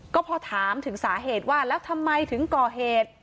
ก็พอถามถึงสาเหตุว่าแล้วทำไมถึงก่อเหตุ